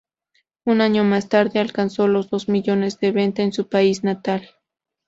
Un año más tarde alcanzó los dos millones de venta en su país natal.